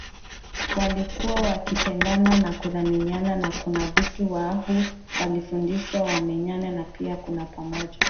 walikuwa wakipendana na kuthaminiana na kuna vitu Waha waliwafundisha wamanyema na pia kunapamoja